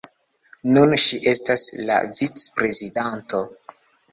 Nun ŝi estas la vic-prezidanto.